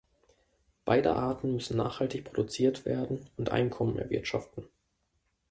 Beide Arten müssen nachhaltig produziert werden und Einkommen erwirtschaften.